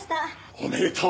おめでとう！